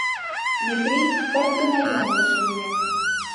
Метрий пырт гына йоҥылыш лие.